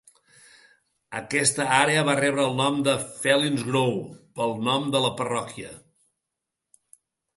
Aquesta àrea va rebre el nom de Fellingsbro pel nom de la parròquia.